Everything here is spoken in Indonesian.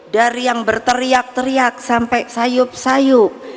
dari yang berteriak teriak sampai sayup sayup